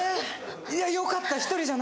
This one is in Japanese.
いや良かった！